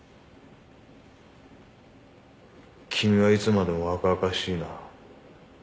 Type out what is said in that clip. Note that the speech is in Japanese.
「君はいつまでも若々しいな」